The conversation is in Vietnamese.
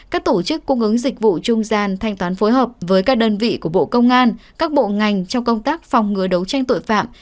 các tổ chức cung ứng dịch vụ trung gian thanh toán phối hợp với các đơn vị của bộ công an các bộ ngành trong công tác phòng ngừa đấu tranh tội phạm